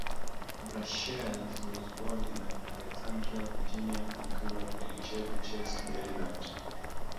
Brashares was born in Alexandria, Virginia and grew up in Chevy Chase, Maryland.